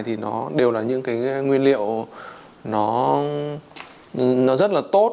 thì nó đều là những cái nguyên liệu nó rất là tốt